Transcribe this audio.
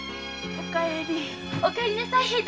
お帰りなさい平太さん。